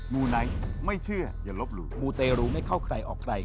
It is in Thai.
มูเตรรู้ไม่เข้าใครออกไกล